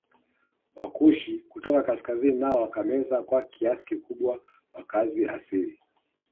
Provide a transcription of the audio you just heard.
Wakushi kutoka kaskazini nao wakameza kwa kiasi kikubwa wakazi asili